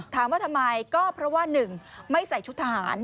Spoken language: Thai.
ถามว่าทำไมก็เพราะว่า๑ไม่ใส่ชุดทหาร